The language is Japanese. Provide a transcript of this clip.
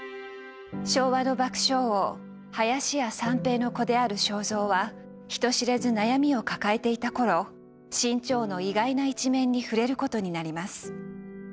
昭和の爆笑王林家三平の子である正蔵は人知れず悩みを抱えていた頃志ん朝の意外な一面に触れることになります。